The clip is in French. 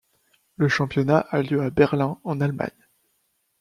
Le championnat a lieu à Berlin en Allemagne.